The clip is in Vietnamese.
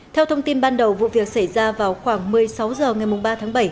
theo thông tin ban đầu vụ việc xảy ra vào khoảng một mươi sáu h ngày ba tháng bảy